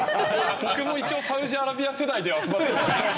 僕も一応サウジアラビア世代では育ってきて。